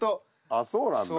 あっそうなんだ。